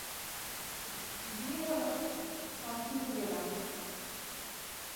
বিয়ে হলো, সব শিখে গেলাম।